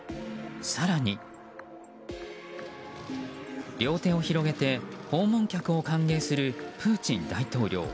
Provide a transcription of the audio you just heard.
更に、両手を広げて訪問客を歓迎するプーチン大統領。